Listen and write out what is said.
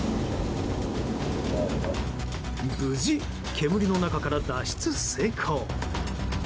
無事、煙の中から脱出成功。